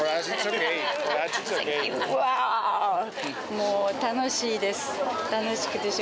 もう楽しいです。